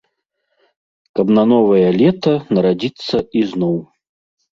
Каб на новае лета нарадзіцца ізноў.